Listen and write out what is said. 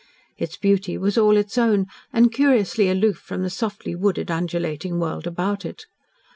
Its beauty was all its own and curiously aloof from the softly wooded, undulating world about it.